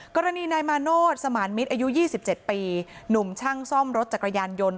กรณีนายมาโนธสมานมิตรอายุ๒๗ปีหนุ่มช่างซ่อมรถจักรยานยนต์